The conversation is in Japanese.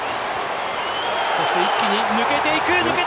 そして一気に抜けていく！